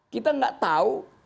kita nggak tahu